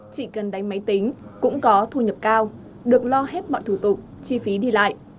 chỉ cần đánh máy tính cũng có thu nhập cao được lo hết mọi thủ tục chi phí đi lại